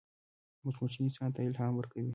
مچمچۍ انسان ته الهام ورکوي